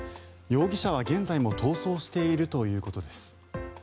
容疑者は現在も逃走しているということです。